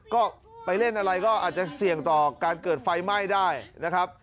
ก็ไปเล่นอะไรก็อาจจะเสี่ยงต่อการเกิดไฟไหม้ได้นะครับ